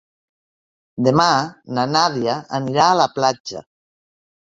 Demà na Nàdia anirà a la platja.